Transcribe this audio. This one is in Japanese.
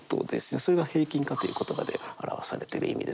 それが「平均化」という言葉で表されてる意味です。